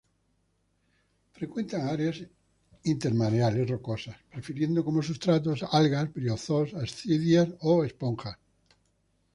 Frecuentan áreas intermareales rocosas, prefiriendo como sustratos algas, briozoos, ascidias o esponjas.